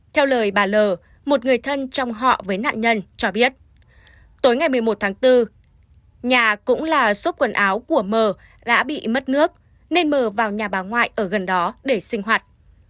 theo lời bà l một người thân trong họ với nạn nhân cho biết tối ngày một mươi một tháng bốn nhà cũng là xốp quần áo của mờ đã bị mất nước nên mờ vào nhà bà ngoại ở gần đó để sinh hoạt